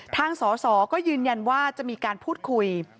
ทางสอสอก็ยืนยันว่าจะมีการพูดคุย